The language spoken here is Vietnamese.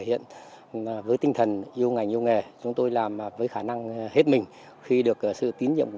hiện với tinh thần yêu ngành yêu nghề chúng tôi làm với khả năng hết mình khi được sự tín nhiệm của